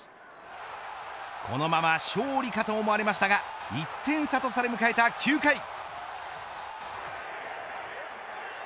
このまま勝利かと思われましたが１点差とされ迎えた９回。